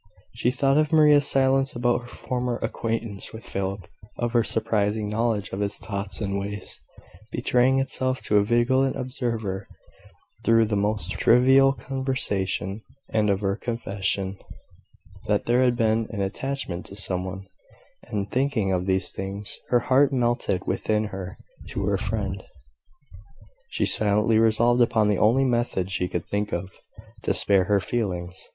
She thought of Maria's silence about her former acquaintance with Philip, of her surprising knowledge of his thoughts and ways, betraying itself to a vigilant observer through the most trivial conversation, and of her confession that there had been an attachment to some one: and, thinking of these things, her heart melted within her for her friend. She silently resolved upon the only method she could think of, to spare her feelings.